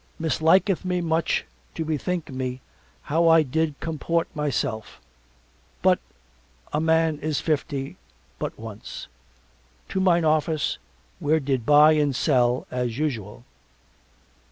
Misliketh me much to bethink me how I did comport myself, but a man is fifty but once. To mine office where did buy and sell as usual.